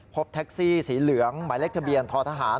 พบแท็กซี่สีเหลืองหมายเลขทะเบียนททหาร